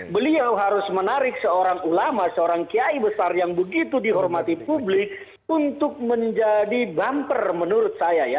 beliau harus menarik seorang ulama seorang kiai besar yang begitu dihormati publik untuk menjadi bumper menurut saya ya